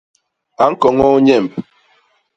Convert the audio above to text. A ñkoñoo nyemb.